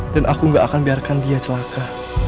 dan aku gak akan biarkan dia celaka